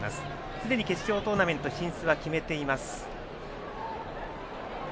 すでに決勝トーナメント進出は決めています。